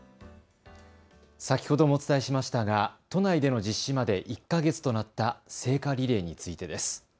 先ほどもお伝えしましたが都内での実施まで１か月となった聖火リレーについてです。